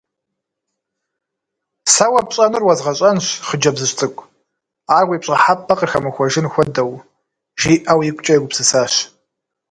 Сэ уэ пщӏэнур уэзгъэщӏэнщ, хъыджэбзыжь цӏыкӏу, ар уи пщӏыхьэпӏэ къыхэмыхуэжын хуэдэу,— жиӏэу игукӏэ егупсысащ.